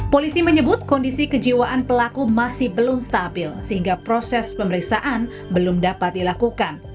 polisi menyebut kondisi kejiwaan pelaku masih belum stabil sehingga proses pemeriksaan belum dapat dilakukan